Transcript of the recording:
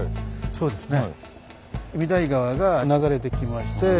そうですね。